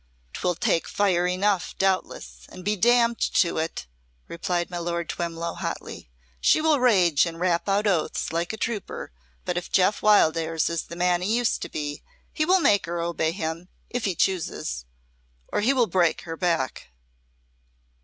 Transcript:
"'Twill take fire enough, doubtless and be damned to it!" replied my Lord Twemlow, hotly. "She will rage and rap out oaths like a trooper, but if Jeof Wildairs is the man he used to be, he will make her obey him, if he chooses or he will break her back."